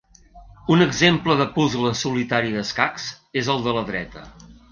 Un exemple de puzle solitari d'escacs és el de la dreta.